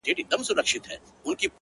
• په تهمتونو کي بلا غمونو ـ